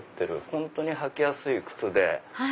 本当に履きやすい靴で。